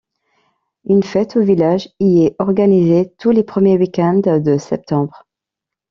Une fête au village y est organisée tous les premiers weekends de septembre.